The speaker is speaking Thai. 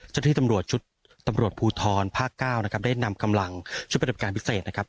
เจ้าหน้าที่ตำรวจชุดตำรวจภูทรภาคเก้านะครับได้นำกำลังชุดประจำการพิเศษนะครับ